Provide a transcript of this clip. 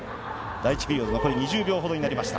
第１ピリオド、残り２０秒ほどになりました。